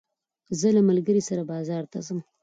زه له ملګري سره بازار ته ځم.